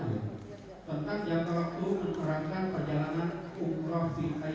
tidak banyak bertanya dan tidak banyak komunikasi